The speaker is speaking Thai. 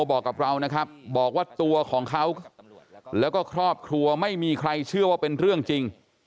บอกกับเรานะครับบอกว่าตัวของเขาแล้วก็ครอบครัวไม่มีใครเชื่อว่าเป็นเรื่องจริง